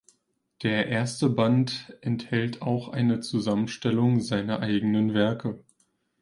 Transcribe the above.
Der erste Band enthält auch eine Zusammenstellung seiner eigenen Werke.